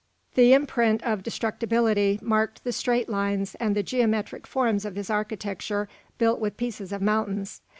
The imprint of indestructibility marked the straight lines and the geometric forms of this architecture built with pieces of mountains.